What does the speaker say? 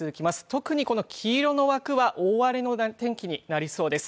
特に黄色の枠は大荒れの天気になりそうです。